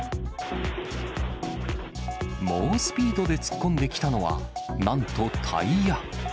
猛スピードで突っ込んできたのは、なんとタイヤ。